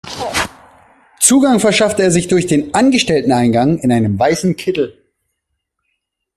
Zugang verschaffte er sich durch den Angestellten-Eingang in einem weißen Kittel.